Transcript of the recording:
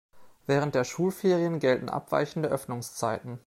Während der Schulferien gelten abweichende Öffnungszeiten.